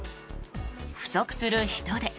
不足する人手。